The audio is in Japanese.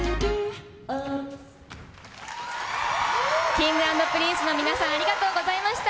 Ｋｉｎｇ＆Ｐｒｉｎｃｅの皆さん、ありがとうございました。